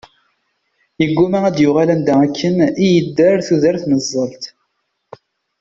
Yegguma ad d-yuɣal anda akken i yedder tudert n zzelṭ.